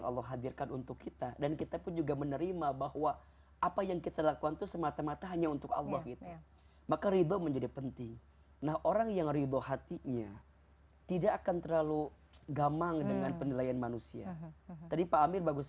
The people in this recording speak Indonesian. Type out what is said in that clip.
hal hal yang baik dan hal hal yang buruk terhadap diri kita